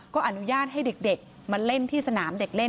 ก็อนุญาตให้เด็กมาเล่นที่สนามเด็กเล่น